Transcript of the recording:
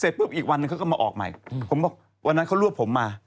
ปุ๊บอีกวันหนึ่งเขาก็มาออกใหม่ผมบอกวันนั้นเขารวบผมมา